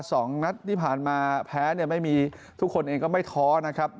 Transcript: สองนัดที่ผ่านมาแพ้เนี่ยไม่มีทุกคนเองก็ไม่ท้อนะครับ